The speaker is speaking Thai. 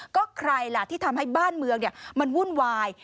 ก็ใครล่ะที่ทำให้บ้านเมืองมันวุ่นวาย